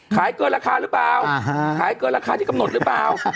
ขายเกินราคาหรือเปล่าขายเกินราคาที่กำหนดหรือเปล่า